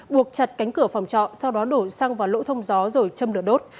buộc chặt cánh cửa phòng trọ sau đó đổ xăng vào lỗ thông gió rồi châm lửa đốt